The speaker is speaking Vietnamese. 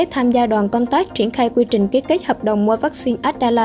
tham gia đoàn contact triển khai quy trình kết kết hợp đồng mua vaccine abdala